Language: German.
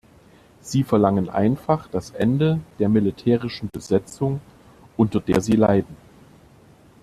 Sie verlangen einfach das Ende der militärischen Besetzung, unter der sie leiden.